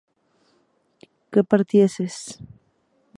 que partieses